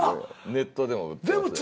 ネットでも売ってます。